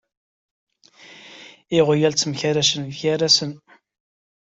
Iɣyal temkerracen buygarasen.